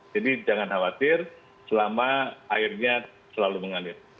jadi jangan khawatir selama airnya selalu mengalir